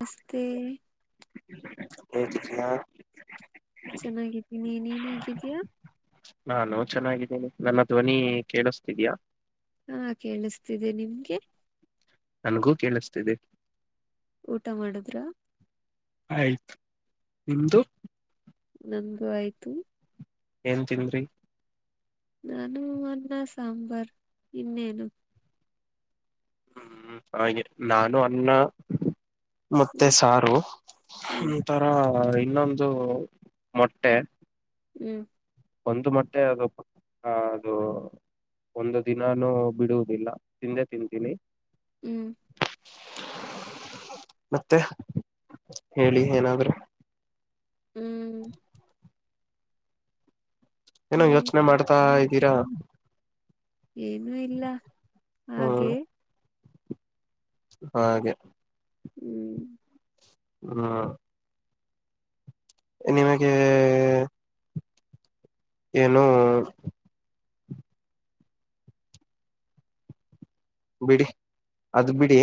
ನಮಸ್ತೆ ಚೆನ್ನಾಗಿದ್ದೀನಿ ನಿನ್ ಹೇಗಿದೀಯಾ. ನಾನು ಚೆನ್ನಾಗಿದಿನಿ ನನ್ನ ಧ್ವನಿ ಕೇಳುಸ್ತಿದೀಯಾ. ಹಾ ಕೇಳುಸ್ತಿದೆ ನಿಮ್ಗೆ. ನನ್ಗೂ ಕೇಳುಸ್ತಿದೆ. ಊಟ ಮಾಡುದ್ರ. ಆಯ್ತು ನಿಮ್ದು. ನನ್ದು ಆಯ್ತು. ಏನ್ ತಿಂನ್ದ್ರಿ. ನಾನು ಅನ್ನ ಸಾಂಬಾರ್ ಇನ್ನೇನು. ಹ್ಮ್ ಹಾಗೆ ನಾನು ಅನ್ನ. ಮತ್ತೆ ಹ್ಮ್ ಸಾರು ಹ್ಮ್ ಒಂತರ ಇನ್ನೊಂದು ಮೊಟ್ಟೆ. ಹ್ಮ್ ಒಂದ್ ಮತ್ತೆ ಅದು ಹ ಅದು ಒಂದು ದಿನಾನೂ ಬಿಡುವುದಿಲ್ಲ ತಿಂದೆ ತಿಂತೀನಿ. ಹ್ಮ್ ಮತ್ತೆ ಹೇಳಿ ಏನಾದ್ರೆ. ಹ್ಮ್ ಏನೋ ಹ್ಮ್ ಯೋಚನೆ ಹ್ಮ್ ಮಾಡ್ತಾ ಇದ್ದೀರಾ. ಏನು ಇಲ್ಲ ಹ್ಮ್ ಹಾಗೆ. ಹಾಗೆ. ಹ್ಮ್. ಹ್ಮ. ನಿಮಗೆ. ಏನು. ಬಿಡಿ ಅದ್ ಬಿಡಿ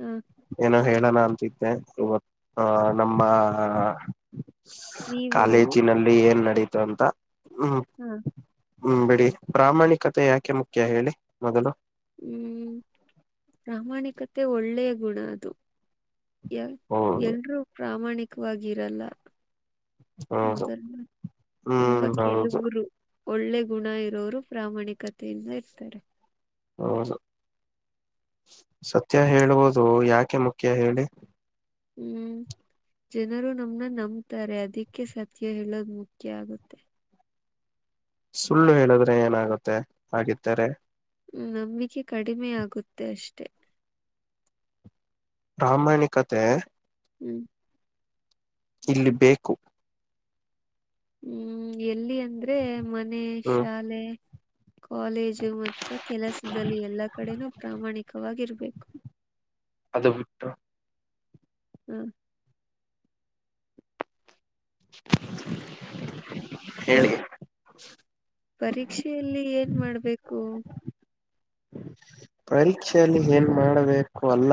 ಹ್ಮ್ಮ್ ಏನೋ ಹೇಳೋನಾ ಅಂತ ಇದ್ದೆ ಇವತ್ತು ನಮ್ಮ ಆಹ್ಹ್ ನೀವು ಕಾಲೇಜಿನಲ್ಲಿ ಏನ್ ನಡೀತು ಅಂತ ಹ್ಮ್. ಹ್ಮ್ ಹ್ಮ್ ಬಿಡಿ ಪ್ರಾಮಾಣಿಕತೆ ಯಾಕೆ ಮುಖ್ಯ ಹೇಳಿ ಮೊದಲು. ಹ್ಮ್ ಪ್ರಾಮಾಣಿಕತೆ ಒಳ್ಳೆಯ ಗುಣ ಅದು ಅಹ್ ಹೌದು ಎಲ್ಲರೂ ಪ್ರಾಮಾಣಿಕವಾಗಿರಲ್ಲ ಹೌದು ಹೌದಲ್ಲ ಹ್ಮ್ ತುಂಬಾ ಹೌದು ಕೆಲವರು ಒಳ್ಳೆ ಗುಣ ಇರೋರು ಪ್ರಾಮಾಣಿಕತೆಯಿಂದ ಇರ್ತರೆ ಹೌದು ಸತ್ಯ ಹೇಳುವುದು ಯಾಕೆ ಮುಖ್ಯ ಹೇಳಿ ಹ್ಮ್ ಜನರು ನಮ್ಮನ ನಂಬತಾರೆ ಅದಕ್ಕೆ ಸತ್ಯ ಹೇಳೋದು ಮುಖ್ಯ ಆಗುತ್ತೆ ಸುಳ್ಳು ಹೇಳದ್ರೆ ಏನಾಗುತ್ತೆ ಆಗಿದ್ದೇರೆ ನಂಬಿಕೆ ಕಡಿಮೆ ಆಗುತ್ತೆ ಅಷ್ಟೆ ಪ್ರಾಮಾಣಿಕತೆ ಹ್ಮ್ ಇಲ್ಲಿ ಬೇಕು ಹ್ಮ್ ಎಲ್ಲಿ ಅಂದ್ರೆ ಮನೆ ಹ್ಮ್ ಶಾಲೆ. ಕಾಲೇಜು ಮತ್ತೆ ಕೆಲಸದಲ್ಲಿ ಎಲ್ಲಾ ಕಡೆನೂ ಪ್ರಾಮಾಣಿಕವಾಗಿರ್ಬೇಕು ಅದು ಬಿಟ್ಟು ಹ್ಮ್ ಹೇಳಿ ಪರೀಕ್ಷೆಯಲ್ಲಿ ಏನ್ ಮಾಡ್ಬೇಕು ಪರೀಕ್ಷೆಯಲ್ಲಿ ಏನ್ ಮಾಡಬೇಕು ಅಲ್ಲ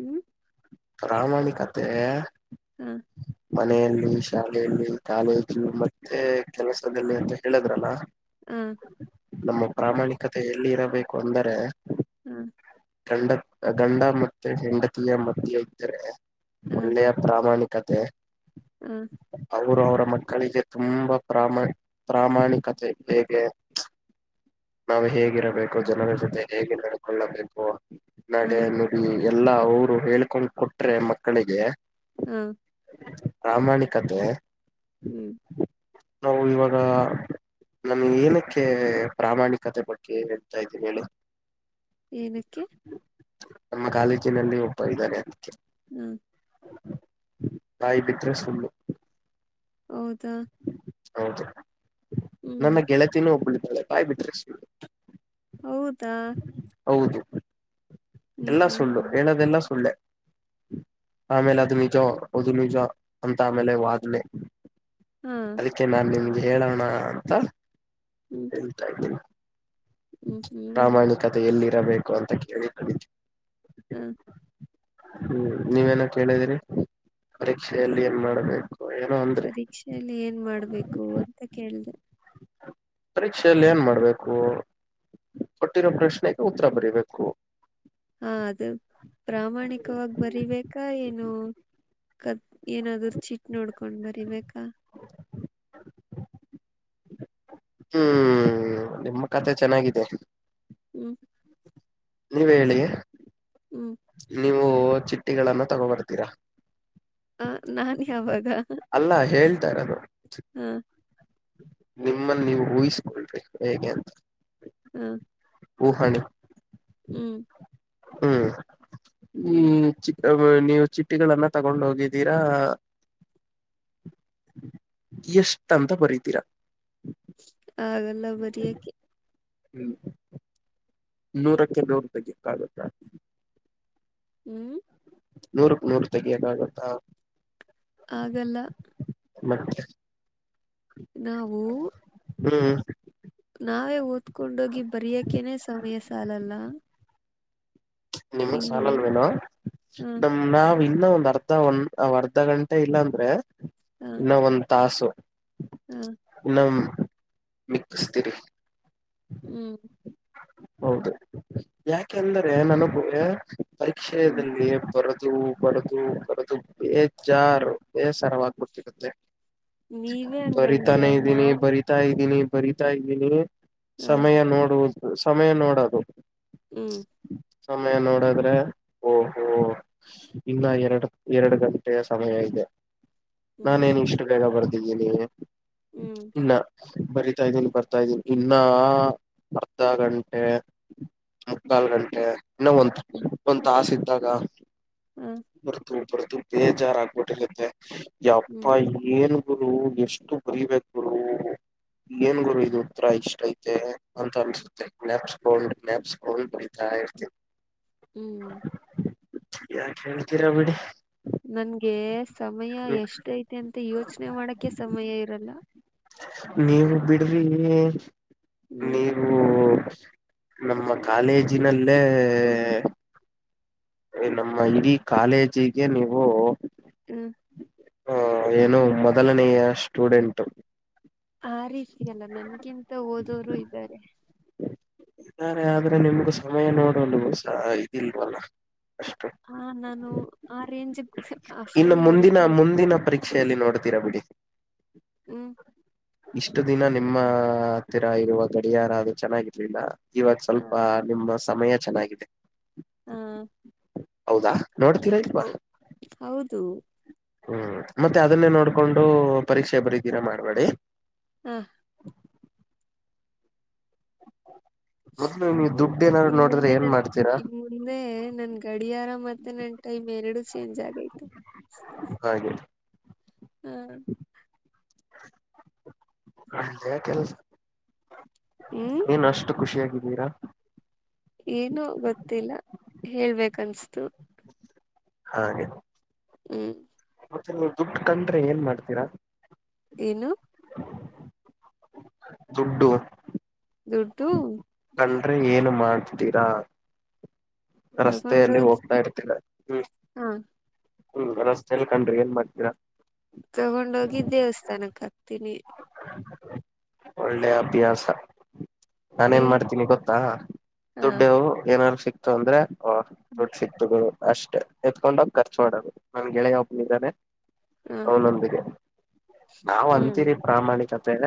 ಹ್ಮ್ ಪ್ರಾಮಾಣಿಕತೆ [inaudible] ಮನೆಯಲ್ಲಿ ಶಾಲೆಯಲ್ಲಿ ಕಾಲೇಜು ಮತ್ತೆ ಕೆಲಸದಲ್ಲಿ ಅಂತ ಹೇಳಿದ್ರಲ್ಲ ಹಾ ನಮ್ಮ ಪ್ರಾಮಾಣಿಕತೆ ಎಲ್ಲಿ ಇರಬೇಕು ಅಂದರೆ ಹ ಗಂಡ [inaudible] ಗಂಡ ಮತ್ತೆ ಹೆಂಡತಿಯ ಮದ್ಯ ಇದ್ದರೆ ಹ [unintelligible] ಒಳ್ಳೆಯ ಪ್ರಾಮಾಣಿಕತೆ ಹ್ಮ್ ಅವರು ಅವರ ಮಕ್ಕಳಿಗೆ ತುಂಬಾ ಪ್ರಾಮಾಣಿ ಪ್ರಾಮಾಣಿಕತೆ ಹೇಗೆ ನಾವು ಹೇಗಿರಬೇಕು ಜನರ ಜೊತೆ ಹೇಗೆ ನಡ್ಕೊಳ್ಳಬೇಕು‌. ಹ ನಡೆ ನುಡಿ ಎಲ್ಲಾ ಅವರು ಹೇಳ್ಕೊಂಡ್ ಕೊಟ್ರೆ ಮಕ್ಕಳಿಗೆ ಹ್ಮ್ ಪ್ರಾಮಾಣಿಕತೆ ಹ್ಮ್ ನಾವು ಇವಾಗ ನನ್ ಏನಕ್ಕೆ ಪ್ರಾಮಾಣಿಕತೆ ಬಗ್ಗೆ ಹೇಳ್ತಾ ಇದ್ದೀನಿ ಹೇಳಿ. ಏನಿಕ್ಕೆ ನಮ್ಮ ಕಾಲೇಜಿನಲ್ಲಿ ಒಬ್ಬ ಇದ್ದಾನೆ. ಹ್ಮ್ ಬಾಯ್ ಬಿಟ್ರೆ ಸುಳ್ಳು ಹೌದಾ ಹೌದು ಹ್ಮ್ ನನ್ನ ಗೆಳತಿನೂ ಒಬ್ಬಳಿದ್ದಾಳೆ ಬಾಯ್ ಬಿಟ್ರೆ ಸುಳ್ಳು. ಹೌದಾ ಹೌದು ಹ್ಮ್ ಎಲ್ಲಾ ಸುಳ್ಳು ಹ್ಮ್ ಹೇಳೋದೆಲ್ಲ ಸುಳ್ಳೆ ಆಮೇಲೆ ಅದು ನಿಜ ಅದು ನಿಜ ಅಂತ ಆಮೇಲೆ ವಾದನೆ ಹಾ ಅದಕ್ ಕೆ ನಾನ್ ನಿಮ್ಗೆ ಹೇಳೋಣ ಅಂತ ಹೇಳತ್ತಾ ಇದ್ದೀನಿ. ಹ್ಮ ಹೂ ಕತೆ ಎಲ್ಲಿ ಇರಬೇಕು ಅಂತ ಕೇಳಿ ಕಡಿತವಿ. ಹ್ಮ ಹ್ಮ್ ನೀವೇನೋ ಕೇಳಿದಿರಿ ಪರೀಕ್ಷೆಯಲ್ಲಿ ಏನ್ ಮಾಡ್ಬೇಕು ಏನೋ ಅಂದ್ರಿ ಪರೀಕ್ಷೆಯಲ್ಲಿ ಏನ್ ಮಾಡ್ಬೇಕು ಅಂತ ಕೇಳ್ದೆ. ಪರೀಕ್ಷೆಯಲ್ಲಿ ಏನ್ ಮಾಡ್ಬೇಕು ಕೊಟ್ಟಿರೋ ಪ್ರಶ್ನೆಗೆ ಉತ್ತರ ಬರಿಬೇಕು. ಹಾ ಅದು ಪ್ರಾಮಾಣಿಕವಾಗಿ ಬರೀಬೇಕಾ ಏನು. ಕದ್ ಏನಾದೂ ಚಿಟ್ ನೋಡ್ಕೊಂಡ್ ಬರಿಬೇಕಾ. ಹ್ಮ್ ನಿಮ್ಮ ಕತೆೆ ಚೆನ್ನಾಗಿದೆ. ಹ್ಮ್ ನೀವ್ ಹೇಳಿ ಹ್ಮ್ ನೀವು ಚಿಟ್ಟಿಗಳನ್ನ ತಗೋ ಬರ್ತೀರಾ. ಆ ನಾನ್ ಯಾವಾಗ ಅಲ್ಲ ಹೇಳ್ತಾರದು. ಹ್ಮ್ ನಿಮ್ಮನ್ ನೀವು ಊಹಿಸ್ಕೊಳ್ರಿ ಹೇಗೆ ಅಂತ. ಹ್ಮ್ ಓ ಹನೂ ಹ್ಮ್ ಹ್ಮ್ ಈ ಹ್ಮ್ ಚಿ ಅದು ನೀವು ಚಿಟ್ಟಿಗಳನ್ನ ತಗೊಂಡ್ ಹೋಗಿದ್ದೀರಾ. ಎಷ್ಟ್ ಅಂತ ಬರೀತೀರಾ. ಆಗಲ್ಲ ಬರಿಯಕೆ. ಹ್ಮ್ ನೂರಕ್ಕೆ ನೂರು ತೆಗಿಕ್ಕಾಗುತ್ತಾ ಹ್ಮ್ ನೂರಕ ನೂರ ತಗಿಯಕಾಗತ್ತ. ಆಗಲ್ಲ. ಮತ್ತ ನಾವು ಹ್ಮ. ನಾವೇ ಓದ್ಕೊಂಡೋಗಿ ಬರಿಯಕೇನೆ ಸಮಯ ಸಾಲಲ್ಲ. ನಿಮ್ಗ ಇನ್ನು ಸಾಲಲ್ವೇನೋ ಹ ನಮ್ ನಾವ್ ಇನ್ನ ಒಂದ ಅರ್ಧ ಒಂದ ಅ ಅರ್ಧ ಗಂಟೆ ಇಲ್ಲ ಅಂದ್ರೆ ಇನ್ನ ಒಂದ ತಾಸು. ಹಾ ಇನ್ನ ಮಿಕ್ಕಸ್ತೀರಿ. ಹ್ಮ. ಹೌದು ಯಾಕೆಂದರೆ ನನಗೆ ಹ್ಮ್ ಪರೀಕ್ಷೆದಲ್ಲಿ ಬರದು ಬರದು ಬರದು ಬೇಜಾರ ಬೇಸರವಾಗ್ಬಿಟಿರತ್ತೆ. ನೀವೇ ಹಂಗಂದ್ರೆ ಬರಿತಾನೆ ಇದ್ದೀನಿ ನಾನ್ ಬರಿತಾ ಇದ್ದೀನಿ ಬರಿತಾ ಇದ್ದೀನಿ. ಹ ಸಮಯ ನೋಡುವುದು ಸಮಯ ನೋಡೋದು. ಹ್ಞ. ಸಮಯ ನೋಡದ್ರೆ ಓಹೋ ಇನ್ನ ಎರಡ ಎರಡ ಗಂಟೆ ಸಮಯ ಇದೆ. ಹ್ಮ್ ನಾನೇನ ಇಷ್ಟ ಬೇಗ ಬರ್ದಿದ್ದೀನಿ. ಹ್ಮ. ಇನ್ನ ಬರಿತಾ ಇದೀನಿ ಬರ್ತಾ ಇದ್ದೀನಿ ಇನ್ನ ನಾ ಅರ್ಧ ಗಂಟೆ ಮುಕ್ಕಾಲ ಗಂಟೆ ಇನ್ನ ಒಂದ್ ಹ್ಮ. ಒಂದ್ ತಾಸ ಇದ್ದಾಗ ಹ ಬರ್ತು ಬರ್ತು ಬೇಜಾರ ಆಗ್ಬಿಟ್ಟಿರತ್ತೆ ಹ್ಮ್ ಯಪ್ಪ ಏನ ರು ಎಷ್ಟು ಬರಿಬೇಕ ಗುರು. [inaudible] ಏನ್ ಗುರು ಇದು ಉತ್ತರ ಇಷ್ಟ ಐತೆ ಅಂತ ಅನ್ಸುತ್ತೆ ಜ್ಞಾಪುಸ್ಕೊಂಡ ಜ್ಞಾಪುಸ್ಕೊಂಡ ಬರಿತಾ ಇರ್ತಿ. ಹ್ಮ. ಯಾಕ್ ಹೇಳ್ತೀರಾ ಬಿಡಿ. ನನ್ಗೆ ಸಮಯ ಎಷ್ಟ ಐತಿ ಅಂತ ಯೋಚನೆ ಮಾಡಕ ಸಮಯ ಇರಲ್ಲ. ನೀವ ಬಿಡ್ರಿ ಹ್ಮ್ ನೀವ್ ಓ ನಮ್ಮ ಕಾಲೇಜಿನಲ್ಲೇ ಎ ನಮ್ಮ ಇಡೀ ಕಾಲೇಜಿಗೆ ನೀವು ಹ್ಮ. ಹ ಏನೋ ಮೊದಲನೆಯ ಸ್ಟೂಡೆಂಟು. ಆ ರೀತಿಯಲ್ಲ ನನ್ಗಿಂತ ಓದೋರು ಇದ್ದಾರೆ. ಇದಾರೆ ಆದ್ರೆ ನಿಮ್ಗೂ ಸಮಯ ನೋಡಲು ಸಹ ಇದಿಲ್ವಲ್ಲ. ಅಷ್ಟು ಹಾ ನಾನು ಆ ರೇಂಜಗ್ ಅಷ್ಟೊಂದು ಬರಿತಾ ನಿನ ಪರಿ ಷೆಲ್ಲಿ ನೋಡ್ತೀರಾ ಬಿಡಿ. ಹ್ಮ. ಇಷ್ಟ ದಿನ ನಿಮ್ಮ ಹತ್ತಿರ ಇರುವ ಗಡಿಯಾರ ಅದು ಚೆನ್ನಾಗಿರ್ಲಿಲ್ಲ. ಇವಾಗ ಹ ಸ್ವಲ್ಪ ನಿಮ್ಮ ಸಮಯ ಚೆನ್ನಾಗಿದೆ. ಹಾ ಹೌದಾ ನೋಡ್ತೀರಾ ಇಲ್ವಾ ಹೌ ಹೌದು ಹ್ಮ್ ಮತ್ತೆ ಅದನ್ನೇ ನೋಡ್ಕೊಂಡು ಪರೀಕ್ಷೆ ಬರದೀರಾ ಮಾಡ್ಬೇಡಿ. ಹ ಮೊದ್ಲು ಇನ್ ನೀವು ದುಡ್ಡು ಏನಾದ್ರು ಇನ್ ನೋಡಿದ್ರೆ ಮುಂದೆ ಏನ್ ನನ್ ಮಾಡ್ತೀರಾ ಇನ್ ಮುಂದೆ ನನ್ ಗಡಿಯಾರ ಮತ್ತೆ ನನ್ ಟೈಮ್ ಎರಡೂ ಚೇಂಜ್ ಆಗೈತೆ. ಹಾಗೆ ಹ್ಮ್ ಅ ಕೆಲಸ ಹ್ಮ್ ಏನ್ ಅಷ್ಟು ಖುಷಿಯಾಗಿದ್ದೀರಾ. ಏನು ಗೊತ್ತಿಲ್ಲ ಹೇಳ್ಬೇಕು ಅನ್ಸಸ್ತು. ಹಾಗೆ ಹ್ಮ್ ಮತ್ತೆ ನೀವು ದುಡ್ಡು ಕಂಡ್ರೆ ಏನ್ ಮಾಡ್ತೀರಾ. ಏನು ದುಡ್ಡು ದುಡ್ಡು ಕಂಡ್ರೆ ಏನು ಮಾಡತ್ತಿರಾ. ರಸ್ತೆಯಲ್ಲಿ ತಗೊಂಡೋಗಿ ಹೋಗ್ತಾ ಇರತ್ತೀರಾ. ಹಾ ಹ್ಮ್ ರಸ್ತೆ ಅಲ್ಲಿ ಕಂಡ್ರೆ ಏನ್ ಮಾಡ್ತೀರಾ. ತಗೊಂಡೋಗಿ ದೇವಸ್ಥಾನಕ್ ಹಾಕ್ತೀನಿ. ಒಳ್ಳೆ ಅಭ್ಯಾಸ ನಾನೇನ್ ಹ್ಮ್ ಮಾಡ್ತೀನಿ ಗೊತ್ತಾ ಹಾ ದುಡ್ಡೂ ಏನಾದರು ಸಿಕ್ ತೊಂದ್ರೆ ಹ ದುಡ್ ಸಿಕ್ತ್ ಅಷ್ಟೇ ಎತ್ಕೊಂಡೋಗಿ ಖರ್ಚು ಮಾಡದು ನನ್ ಗೆಳೆಯ ಒಬ್ಬನೂ ಇದ್ದಾನೆ. ಅವನೊಂದಿಗೆ ನಾವೂ ಅಂತೀರಿ ಪ್ರಾಮಾಣಿಕತೆ-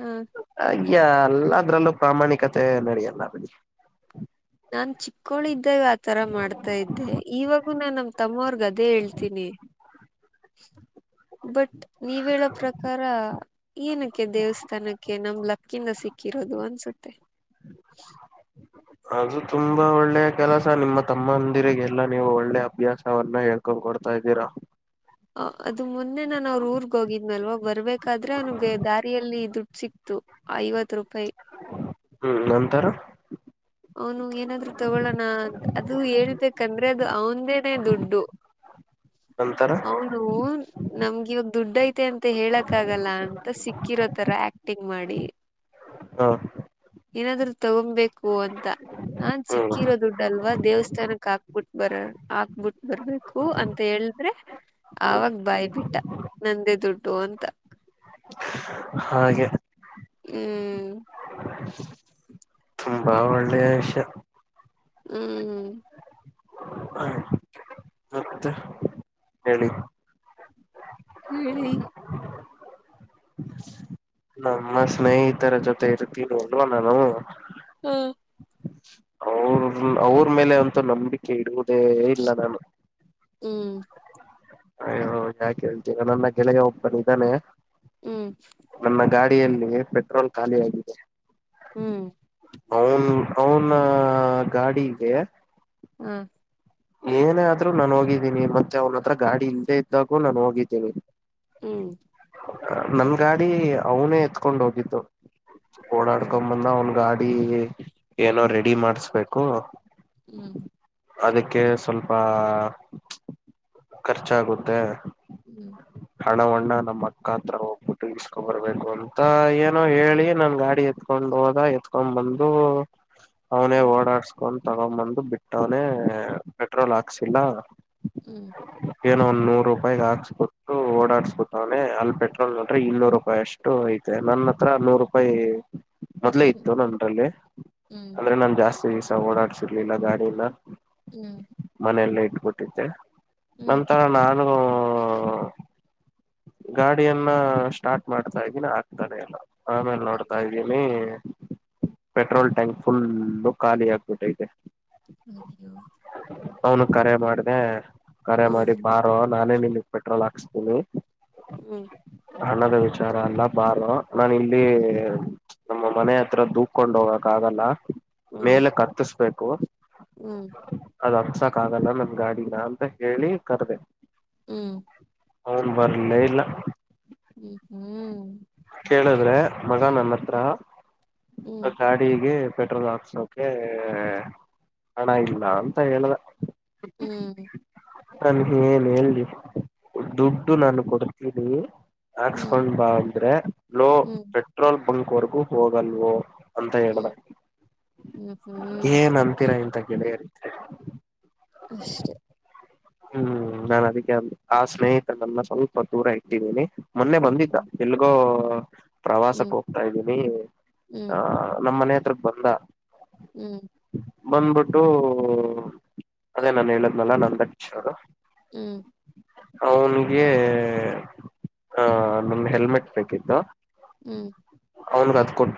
ಹಾ ಅಯ್ಯಾ ಅಲ್ಲ ಅದ್ರಲ್ಲೂ ಪ್ರಾಮಾಣಿಕತೆ ನಡೆಯಲ್ಲ. ನಾನ್ ಚಿಕ್ಕೋಳಿದ್ದಾಗ ಆತರ ಮಾಡ್ತಾ ಇದ್ದೆ ಇವಾಗೂ ನಾನ್ ನಮ್ ತಮ್ಮರ್ ಅದೇ ಹೇಳ್ತೀನಿ ಬಟ್ ನೀವ್ ಹೇಳೋ ಪ್ರಕಾರ ಏನಕ್ಕೆ ದೇವಸ್ಥಾನಕ್ಕೆ ನಮ್ ಲಕ್ಕಿಂದ ಸಿಕ್ಕಿರೋದು ಅನ್ಸುತ್ತೆ. [inaudible] ಅದು ತುಂಬಾ ಒಳ್ಳೆಯ ಕೆಲಸ ನಿಮ್ಮ ತಮ್ಮಂದಿರಿಗೆಲ್ಲಾ ನೀವು ಒಳ್ಳೆ ಅಭ್ಯಾಸವನ್ನು ಹೇಳ್ ಕೊ ಕೊಡ್ತಾ ಇದ್ದೀರಾ. ಅ ಅದು ಮುನ್ ಮೊನ್ನೆ ನಾನು ಅವರು ಊರಿಗೆ ಹೋಗಿದನಲ್ವ ಬರ್ಬೇಕಾದ್ರೆ ಅವನಿಗೆ ದಾರಿಯಲ್ಲಿ ದುಡ್ಡು ಸಿಕ್ತು. ಐವತ್ತು ರೂಪಾಯಿ. ಹ್ಮ್ ನಂತರ ಅವನು ಏನಾದ್ರು ತಗೊಳೋಣ ಅಂತ ಅದು ಹೇಳ್ಬೇಕಂದ್ರೆ ಅದು ಅವನದೇನೇ ದುಡ್ಡು [inaudible] ನಂತರ ಅವನೂ- ನಮ್ಗ ಇವಾಗ ದುಡ್ಡ ಐತೆ ಅಂತ ಹೇಳಕ ಆಗಲ್ಲ ಅಂತ ಸಿಕ್ಕಿರೋತರ ಆಕ್ಟಿಂಗ್ ಮಾಡಿ. [inaudible] ಹ ಏನಾದ್ರು ತಗೊಂಬೇಕು ಅಂತ ನಾನ ಹ್ಮ್ ಸಿಕ್ಕಿರೋ ದುಡ್ಡಲ್ವಾ ದೇವಸ್ಥಾನಕ ಹಾಕ್ಬಿಟ್ಟ ಬರ ಆಕ್ಬಿಟ್ಟ ಬರ್ಬೇಕು ಅಂತ ಹೇಳದ್ರೆ ಹ್ಮ್ ಅವಾಗ ಬಾಯ್ಬಿಟ್ಟ ನಂದೇ ದುಡ್ಡು ಅಂತ. ಹಾಗೆ ಹ್ಮ. ತುಂಬಾ ಒಳ್ಳೆ ವಿಷ. ಹ್ಮ. [inaudible] ಮತ್ತೆ ಹೇಳಿ. ಹೇಳಿ ನಮ್ಮ ಸ್ನೇಹಿತರ ಜೊತೆ [unintelligible] ಅಲ್ವಾ ನಾನು ಹಾ ಅವ್ರ ಅವ್ರ ಮೇಲೆ ಅಂತ ನಂಬಿಕೆ ಇಡುವುದೇ ಇಲ್ಲ ನಾನು. ಹ್ಮ. [unintelligible] ನಮ್ಮ ಕೆಳ್ಗೆ ಒಬ್ಬನ ಇದ್ದಾನೆ. ಹ್ಮ. ನನ್ನ ಗಾಡಿಯಲ್ಲಿ ಪೆಟ್ರೋಲ್ ಖಾಲಿ ಆಗಿದೆ. ಹ್ಮ. ಅವ್ನ ಅವನ ಗಾಡಿಗೆ ಹ್ಮ. ಏನೇ ಆದ್ರೂ ನಾನ ಹೋಗಿದ್ದೀನಿ ಮತ್ತೆ ಅವನ ಹತ್ರ ಗಾಡಿ ಇಲ್ಲದೇ ಇದ್ದಾಗೂ ನಾನ ಹೋಗಿದ್ದೀನಿ. ಹ್ಮ. ನನ್ ಗಾಡಿ ಅವನೇ ಎತ್ಕೊಂಡ ಹೋಗಿದ್ದು ಹ್ಮ್ ಓಡಾಡ್ಕೊಂಡ ಬಂದ ಅವ್ನ ಗಾ ಡಿ ಏನೋ ರೆಡಿ ಮಾಡಸ್ಬೇಕು. ಹ್ಮ. ಅದಿಕ್ಕೆ ಸ್ವಲ್ಪ ಖರ್ಚಾಗುತ್ತೆ. ಹ್ಞ. ಹಣವನ್ನ ನಮ್ಮ ಅಕ್ಕ ಹತ್ರ ಹೋಗ್ಬಿಟ್ಟು ಇಸ್ಕೊ ಬರ್ಬೇಕು ಅಂತ ಏನೋ ಹೇಳಿ ನನ್ನ ಗಾಡಿ ಎತ್ತ ಕತ್ಕೊಂಡ ಹೋದ ಎತ್ಕೊಂಡ್ ಬಂದು ಅವನೇ ಹ್ಮ್ ಓಡಾಡ್ಸ ಕೊಂದ ತಗೊಂಬಂದು ಬಿಟ್ಟವನೆ ಪೆಟ್ರೋಲ್ ಹಾಕ್ಸಿಲ್ಲ. ಹ್ಮ. ಏನೋ ಒಂದ ನೂರ ರೂಪಾಯಿದ ಹಾಕ್ಸ್ ಓಡಾಡ್ಸ ಬಿಟ್ಟವ್ನೆ ಅಲ್ಲಿ ಪೆಟ್ರೋಲ್ ನೋಡ್ರೆ ಇನ್ನೂರ ರೂಪಾಯಷ್ಟು ಐತೆ ನನ್ನ ಹತ್ರ ನೂರು ರೂಪಾಯಿ. ಮೊದ್ಲೇ ಹ್ಮ್ ಇತ್ತು ನನ್ರಲ್ಲಿ ಹ್ಮ್ ಅಂದ್ರೆ ನಾ ಜಾಸ್ತಿ. ಓಡಾಡ್ಸರ್ಲಿಲ್ಲ ಗಾಡಿನ ಹ್ಮ. ಮನೆಯಲ್ಲ ಇಟ್ಬಿಟ್ಟಿದ್ದೆ ಹ್ಮ್ ನಂತ ನಾನು ಗಾಡಿಯನ್ನ ಸ್ಟಾರ್ಟ್ ಮಾಡ್ತಾ ಇದೀನಿ ಆಗ್ತಾನೆ ಇಲ್ಲ ಆಮೇಲ ನೋಡ್ತಾ ಇ ಮ ಪೆಟ್ರೋಲ್ ಟ್ಯಾಂಕ್ ಫುಲ್ಲು ಖಾಲಿ ಆಕ್ಬಿಟ್ಟೈತೆ. ಅಯ್ಯೋ ಅವನು ಕರೆ ಮಾಡ್ದ ಕರೆ ಮಾಡಿ ಬಾರೋ ನಾನೇ ನಿಮಗ್ ಪೆಟ್ರೋಲ್ ಹಾಕ್ಸ ಹಲೋ ಹುಂ ಹಣದ ವಿಚಾರ ಅಲ್ಲಾ ಬಾರೊ ನಾನು ಇಲ್ಲಿ ನಮ್ಮ ಮನೆ ಹತ್ರ ದೂಕ್ಕೊಂಡ್ ಹೋಗಕ್ ಆಗಲ್ಲಾ ಮೇಲೆ ಕತ್ತರಸ್ ಬೇಕು ಹುಂ ಅದ್ ಅತ್ಸಕ ಆಗಲ್ಲ ನಾನ್ ಗಾಡಿನ ಅಂತ ಹೇಳಿ ಕರ್ದೆ ಹುಂ ಅವನ ಬರಲೇ ಇಲ್ಲ ಹುಂ ಕೇಳಿದ್ರೆ ಮಗ ನನ್ನ ಹತ್ರ ಹ್ಮ್ ಗಾಡಿಗೆ ಪೆಟ್ರೋಲ್ ಹಾಕ್ಸ ಅ ಹಣ ಇಲ್ಲಾ ಅಂತ ಹೇಳ್ದಾ ಹುಂ ನಾನ ಏನ್ ಹೇಳ ದುಡ್ಡು ನಾನು ಕೊಡ್ತಿದ್ದೀ ಹ್ಮ್ ಹಾಕ್ಸಕೋಂಡ್ ಬಾ ಅಂದ್ರೆ ಲೋ ಹ್ಮ್ ಪೆಟ್ರೋಲ್ ಬಂಕ್ ವರೆಗೂ ಹೋಗಲ್ವೋ ಅಂತ ಹೇಳದಾ ಹ್ಮ್ ಹ್ಮ್ ಹ್ಮ್ ಏನ್ ಅಂತೀರಾ ಇಂತಾ ಗೆಳೆಯರಿಗೆ ಅಷ್ಟೇ ಹ್ಮ್ ನಾನ್ ಅದಕ್ಕೆ ಆ ಸ್ನೇಹಿತ ನನ್ನ ಸ್ವಲ್ಪ ದೂರ ಇಟ್ಟಿದ್ದೀನಿ ಮೊನ್ನೆ ಬಂದಿದ್ದ ಹ್ಮ್ ಎಲ್ಲಿಗೋ ಪ್ರವಾಸಕ್ಕೆ ಹೋಗ್ತಾ ಇದ್ದೀನಿ ಹ್ಮ್ ಆಹ ನಮ್ ಮನೆ ಹತ್ರಕ ಬಂದಾ ಹುಂ ಬಂದ್ಬಿಟ್ಟು ಅದೇ ನಾನ ಹೇಳಿದ್ದೆಲ್ಲಾ ನನ್ನಕ್ಷ ಅವರು ಹುಂ ಅವನಿಗೆ ಹ ನಮ್ ಹೆಲ್ಮೆಟ್ ಬೇಕಿತ್ತು ಹುಂ ಅವನ್ ಅತ್ಕೊಂಡ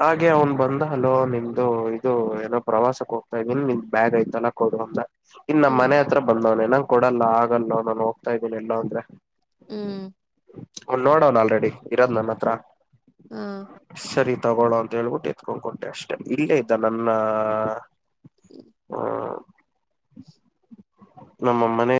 ಹಾಗೆ ಅವನ್ ಬಂದ ಹಲೋ ನಿಮ್ದು ಇದು ಏನೋ ಪ್ರವಾಸಕ್ ಹೋಗ್ತಾ ಇದೀನಿ ನಿಮ್ ಬ್ಯಾಗ್ ಐತಲ್ಲಾ [unintelligible] ಇನ್ ನಮ್ಮ್ ಹ್ಮ್ ಮನೆ ಹತ್ರ ಬಂದವ್ನೆ ನಂಗ ಕೊಡಲ್ಲ ಆಗಲ್ಲ ನಾನು ಹೋಗ್ತಾ ಇದೀನ ಇಲ್ಲಾ ಅಂದ್ರೆ ಹೂ ಅವನ್ ನೋಡ ಅವನ್ ಆಲ್ರೆಡಿ ಇರೋದ್ ನನ್ನ ಹತ್ರ ಹಾ ಸರಿ ತಗೋಳೋ ಅಂತ ಹೇಳ್ಬಿಟ್ಟು ಎತ್ಕೊ ಕೋಂಟ್ಟೆ ಅಷ್ಟೆ ಇಲ್ಲೇ ಇದ್ದ ನನ್ನ [inaudible] ಹಾ [inaudible] [inaudible] ನಮ್ಮ ಅಮ್ಮನೆ